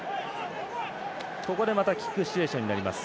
ここで、またキックシチュエーションになります。